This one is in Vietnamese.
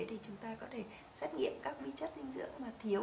thì chúng ta có thể xét nghiệm các vi chất dinh dưỡng mà thiếu